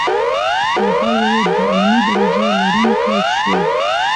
او هر یو یې د علمي درجې لرونکي شول.